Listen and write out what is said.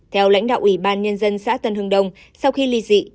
theo lãnh đạo ủy ban nhân dân xã tân hưng đông sau khi ly dị